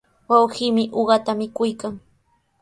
Wawqiimi uqata mikuykan.